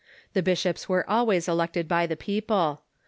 The bishops were always elected by the people.